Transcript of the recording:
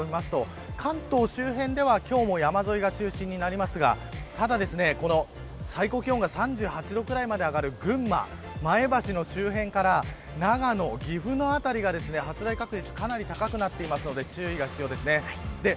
発雷確率を見ると関東周辺では今日も山沿いが中心になりますがただ、最高気温が３８度くらいまで上がる群馬、前橋の周辺から長野、岐阜の辺りが発雷確率かなり高くなっていますので注意が必要です。